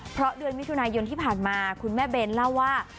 เพราะเดือนมิถุนายนที่ผ่านมาคุณแม่เบนเล่าว่า